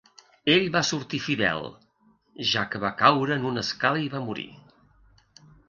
Ell va sortir fidel, ja que va caure en una escala i va morir.